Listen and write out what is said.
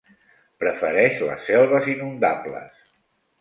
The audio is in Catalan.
Prefereix les selves inundables.